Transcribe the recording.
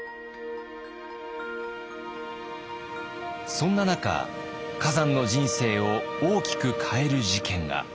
そんな中崋山の人生を大きく変える事件が。